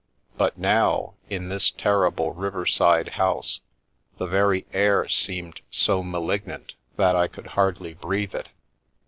But now, in this terrible riverside house, the very air seemed so malignant that I could hardly breathe it.